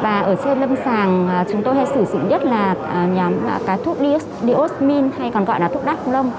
và ở trên lâm sàng chúng tôi hay sử dụng nhất là thuốc diosmin hay còn gọi là thuốc đắc lông